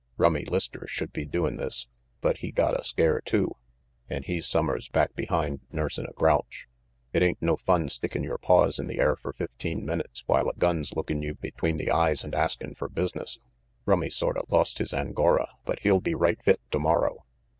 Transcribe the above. Rummy Lister should be doin' this, but he gotta scare, too, an' he's summers back behind nursing a grouch. It ain't no fun stickin' your paws in the air fer fifteen minutes while a gun's lookin' you between the eyes and askin' fer business. Rummy sorta lost his angora, but he'll be right fit tomorrow."